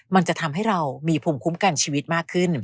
มันจะทำให้เรามีภูมิคุ้มกันชีวิตมากขึ้น